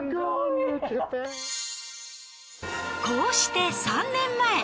こうして３年前。